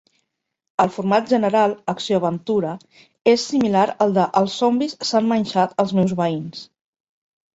El format general, acció-aventura és similar al de "Els zombis s'han menjat als meus veïns".